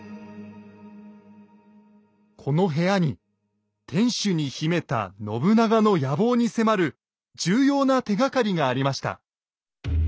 この部屋に天主に秘めた信長の野望に迫る重要な手がかりがありました。